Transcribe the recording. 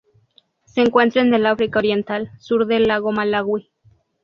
Se encuentra en el África Oriental: sur del lago Malawi.